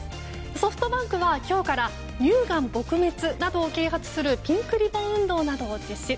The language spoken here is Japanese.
ソフトバンクは今日から乳がん撲滅などを啓発するピンクリボン運動などを実施。